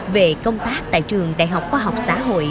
về công tác tại trường đại học khoa học xã hội